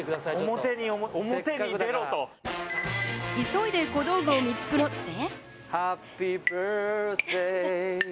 急いで小道具を見繕って。